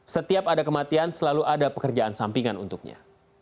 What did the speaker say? setiap ada kematian selalu ada pekerjaan sampingan untuknya